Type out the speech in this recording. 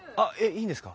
いいんですか？